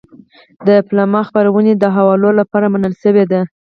د پملا خپرونې د حوالو لپاره منل شوې دي.